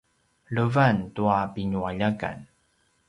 levan tua pinualjakan